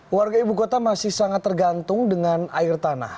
warga ibu kota masih sangat tergantung dengan air tanah